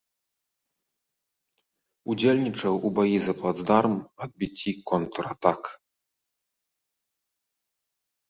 Удзельнічаў у баі за плацдарм, адбіцці контратак.